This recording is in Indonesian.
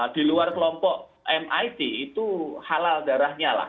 di luar kelompok mit itu halal darahnya lah